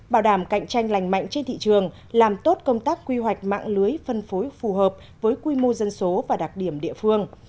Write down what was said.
bảo đảm cạnh tranh lành mạnh trên thị trường làm tốt công tác quy hoạch mạng lưới phân phối phù hợp với quy mô dân số và đặc điểm địa phương